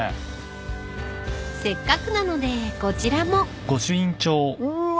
［せっかくなのでこちらも］うわ